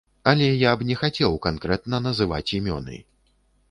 Але я б не хацеў канкрэтна называць імёны.